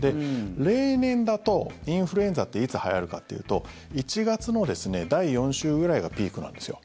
例年だと、インフルエンザっていつはやるかというと１月の第４週ぐらいがピークなんですよ。